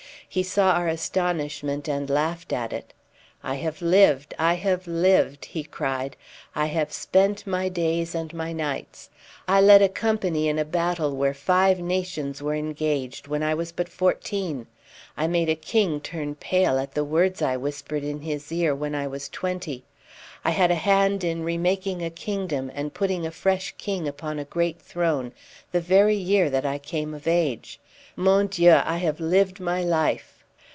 He saw our astonishment, and laughed at it. "I have lived! I have lived!" he cried. "I have spent my days and my nights. I led a company in a battle where five nations were engaged when I was but fourteen. I made a king turn pale at the words I whispered in his ear when I was twenty. I had a hand in remaking a kingdom and putting a fresh king upon a great throne the very year that I came of age. Mon Dieu, I have lived my life!"